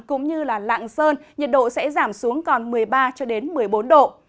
cũng như lạng sơn nhiệt độ sẽ giảm xuống còn một mươi ba cho đến một mươi bốn độ